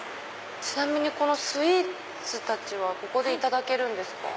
ちなみにこのスイーツたちはここでいただけるんですか？